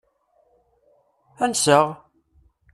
Ansa-aɣ?